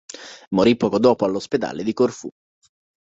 Morì poco dopo all'ospedale di Corfù.